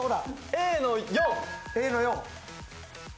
Ａの４。